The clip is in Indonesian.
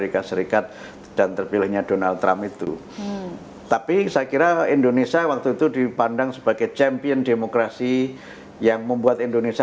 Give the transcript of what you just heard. gitu tapi saya kira indonesia waktu itu dipandang sebagai champion demokrasi yang membuat indonesia